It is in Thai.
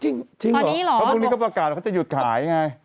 จริงตอนนี้เหรอเพราะวันนี้ก็ประกาศว่าเขาจะหยุดขายไง